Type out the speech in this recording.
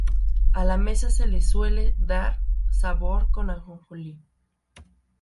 A la masa se le suele dar sabor con ajonjolí.